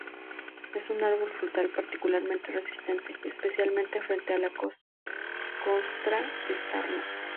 Es un árbol frutal particularmente resistente, especialmente frente a la costra de sarna.